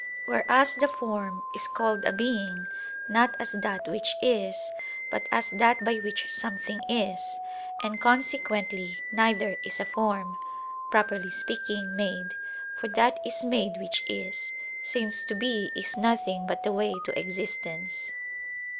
Whereas the form is called a being, not as that which is, but as that by which something is; and consequently neither is a form, properly speaking, made; for that is made which is; since to be is nothing but the way to existence.